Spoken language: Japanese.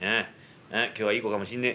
今日はいい子かもしんねえ」。